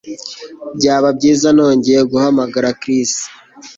Byaba byiza nongeye guhamagara Chris